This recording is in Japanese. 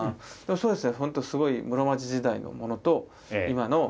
そうですねぇ。